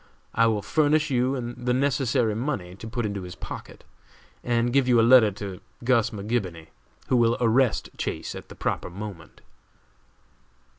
I will furnish you the necessary money to put into his pocket, and give you a letter to Gus. McGibony, who will arrest Chase at the proper moment."